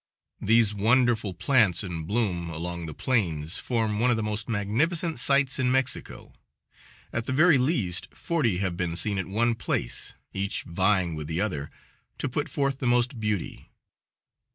These wonderful plants in bloom along the plains form one of the most magnificent sights in Mexico. At the very least, forty have been seen at one place, each vieing with the other to put forth the most beauty.